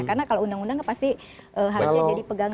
karena kalau undang undang pasti harusnya jadi pegangan